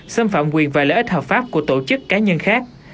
xâm phạm quyền và lợi ích hợp pháp của tổ chức cá nhân khác